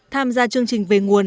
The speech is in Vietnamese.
tham gia chương trình về nguồn